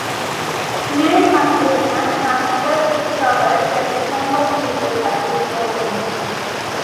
Mary Magdalene has just discovered that the tomb of Jesus has been opened.